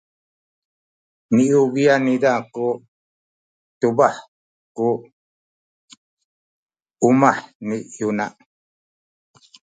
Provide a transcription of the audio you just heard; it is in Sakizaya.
niubi’an niza tu tubah ku umah ni Yona.